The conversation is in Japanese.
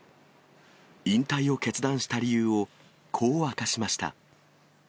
引退を決断した理由をこう明かしました。